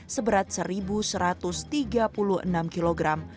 seberat satu satu ratus tiga puluh enam kilogram